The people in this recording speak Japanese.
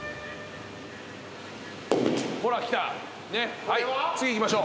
ほらきた。